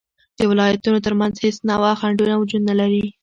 د ولایتونو تر منځ هیڅ نوعه خنډونه وجود نلري